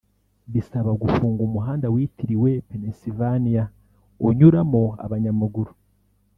bisaba gufunga umuhanda witiriwe Pennsylvania unyuramo abanyamaguru